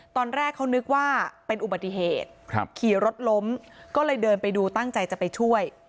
ตอนแรกเขานึกว่าเป็นอุบัติเหตุขี่รถล้มก็เลยเดินไปดูตั้งใจจะไปช่วย